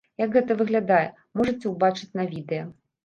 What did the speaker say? Як гэта выглядае, можаце ўбачыць на відэа.